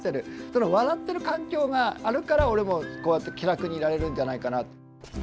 その笑ってる環境があるから俺もこうやって気楽にいられるんじゃないかな。